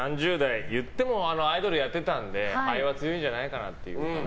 言ってもアイドルやってたので肺は強いんじゃないかなって。